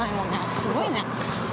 すごいね。